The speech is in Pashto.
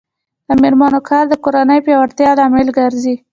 د میرمنو کار د کورنۍ پیاوړتیا لامل ګرځي.